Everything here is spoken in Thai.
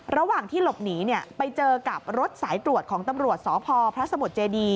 ระหว่างที่หลบหนีไปเจอกับรถสายตรวจของตำรวจสพพระสมุทรเจดี